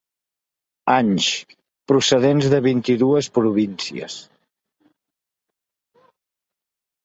Anys, procedents de vint-i-dues províncies.